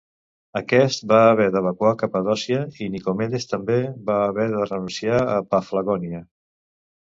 Aquest va haver d'evacuar Capadòcia i Nicomedes també va haver de renunciar a Paflagònia.